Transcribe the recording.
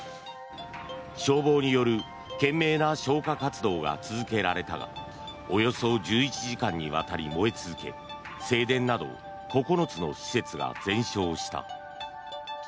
消防による懸命な消火活動が続けられたがおよそ１１時間にわたり燃え続け正殿など９つの施設が全焼した。